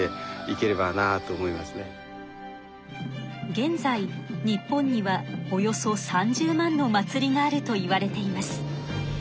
現在日本にはおよそ３０万の祭りがあるといわれています。